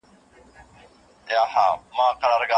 د معلوماتو راټولول د پالیسۍ لپاره مهم دي.